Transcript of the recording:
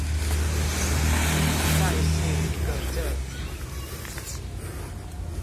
但是一個政府